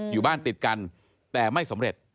อยู่บ้านติดกันแต่ไม่สำเร็จ